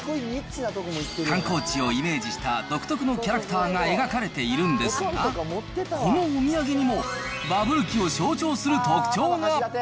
観光地をイメージした独特のキャラクターが描かれているんですが、このお土産にも、バブル期を象徴する特徴が。